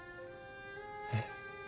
えっ？